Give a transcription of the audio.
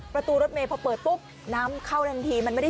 ประตูกับเมสพอเปิด